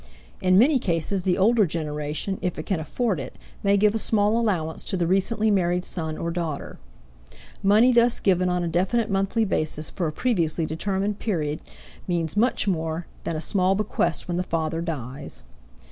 In many cases the older generation, if it can afford it, may give a small allowance to the recently married son or daughter. Money thus given on a definite monthly basis for a previously determined period means much more than a small bequest when the father dies.